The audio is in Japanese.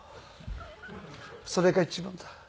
それが一番だ。